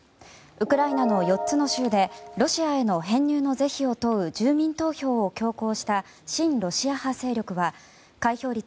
ウクライナの４つの州でロシアへの編入の是非を問う住民投票を強行した親ロシア派勢力は開票率